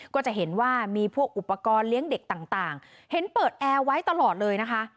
ก็จะเห็นว่ามีพวกอุปกรณ์เลี้ยงเด็กต่างเห็นเปิดแอร์ไว้ตลอดเลยนะคะ